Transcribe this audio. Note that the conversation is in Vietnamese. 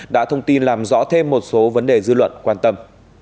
đã thông tin làm rõ thêm một số vấn đề dư luận quan tâm